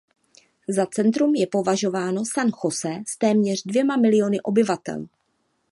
Za centrum je považováno San José s téměř dvěma miliony obyvatel.